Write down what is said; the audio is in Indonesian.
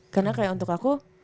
karena kayak untuk aku